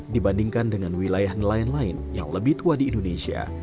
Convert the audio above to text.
dibandingkan dengan wilayah nelayan lain yang lebih tua di indonesia